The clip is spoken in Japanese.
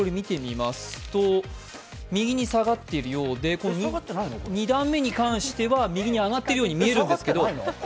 右に下がっているようで、２段目は右に上がっているように見えるんですけど。